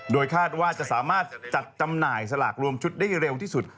โดยคาดว่าจะสามารถจัดจำหน่ายสลากรวมชุดได้เร็วที่สุด